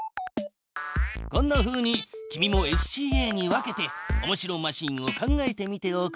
こんなふうに君もＳＣＡに分けておもしろマシーンを考えてみておくれ。